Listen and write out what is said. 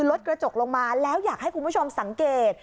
รถกระจกลงมาแล้วอยากให้คุณผู้ชมสังเกต